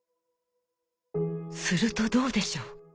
「するとどうでしょう」